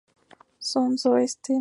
Fue educado en Francia.